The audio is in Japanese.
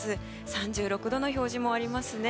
３６度の表示もありますね。